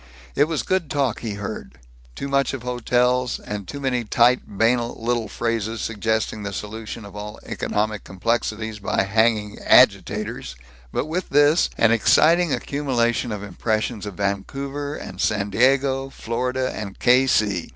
It was good talk he heard; too much of hotels, and too many tight banal little phrases suggesting the solution of all economic complexities by hanging "agitators," but with this, an exciting accumulation of impressions of Vancouver and San Diego, Florida and K. C.